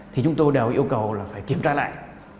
thì chúng tôi đều yêu cầu là phải kiểm tra lại